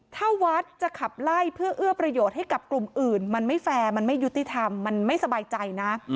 ถ้าวัดจะขับไล่เพื่อเอื้อประโยชน์ให้กับกลุ่มอื่นมันไม่แฟร์มันไม่ยุติธรรมมันไม่สบายใจนะ